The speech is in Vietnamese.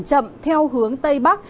chậm theo hướng tây bắc